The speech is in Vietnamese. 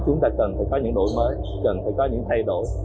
chúng ta cần phải có những đổi mới cần phải có những thay đổi